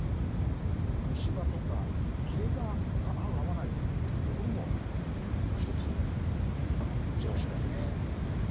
虫歯とか入れ歯が合う合わないっていうところも一つチェックしないといけないところであると。